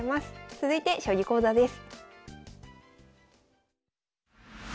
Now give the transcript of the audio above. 続いて将棋講座です。